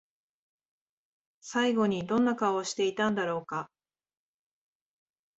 最後にどんな顔をしていたんだろうか？